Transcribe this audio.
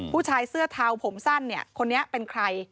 ผู้ชายเสื้อเทาผมสั้นเนี่ยคนนี้เป็นใคร